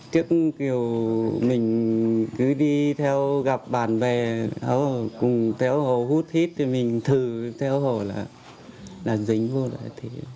trước kiểu mình cứ đi theo gặp bạn về cùng theo hồ hút hít mình thử theo hồ là dính vô lại